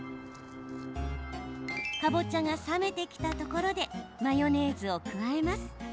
かぼちゃが冷めてきたところでマヨネーズを加えます。